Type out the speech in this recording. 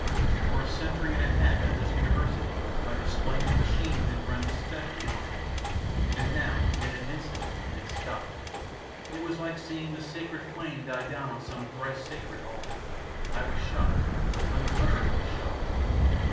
For a century and a half had this university, like a splendid machine, been running steadily on. And now, in an instant, it had stopped. It was like seeing the sacred flame die down on some thrice sacred altar. I was shocked, unutterably shocked.